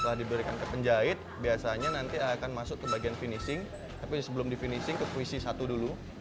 setelah diberikan ke penjahit biasanya nanti akan masuk ke bagian finishing tapi sebelum di finishing ke puisi satu dulu